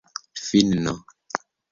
finno